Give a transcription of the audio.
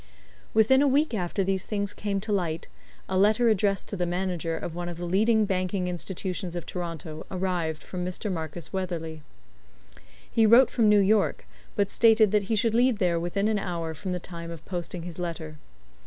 Within a week after these things came to light a letter addressed to the manager of one of the leading banking institutions of Toronto arrived from Mr. Marcus Weatherley. He wrote from New York, but stated that he should leave there within an hour from the time of posting his letter.